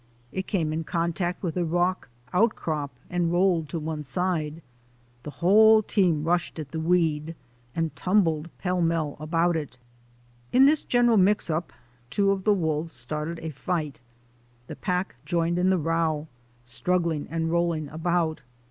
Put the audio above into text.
It came in contact with a rock outcrop and rolled to one side. The whole team rushed at the weed and tumbled pellmell around it. In this general mix up two of the wolves started a fight. The pack joined in the row, struggling and rolling about.